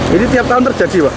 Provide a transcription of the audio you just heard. jadi tiap tahun terjadi pak